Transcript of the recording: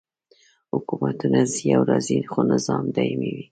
حکومتونه ځي او راځي خو نظام دایمي وي.